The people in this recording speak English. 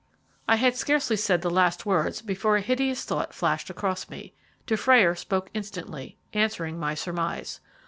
I had scarcely said the last words before a hideous thought flashed across me. Dufrayer spoke instantly, answering my surmise.